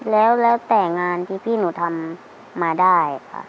แล้วแต่งานที่พี่หนูทำมาได้ค่ะ